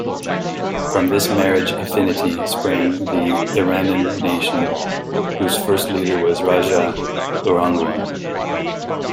From this marriage affinity sprang the Iranun nation whose first leader was Rajah Urangguwan.